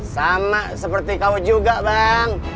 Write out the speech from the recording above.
sama seperti kau juga bang